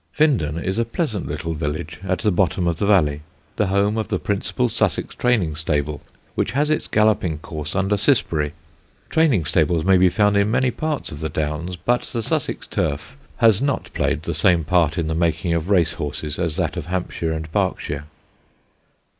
Findon is a pleasant little village at the bottom of the valley, the home of the principal Sussex training stable, which has its galloping course under Cissbury. Training stables may be found in many parts of the Downs, but the Sussex turf has not played the same part in the making of race horses as that of Hampshire and Berkshire.